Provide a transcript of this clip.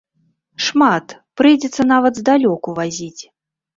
Шмат, прыйдзецца нават здалёку вазіць.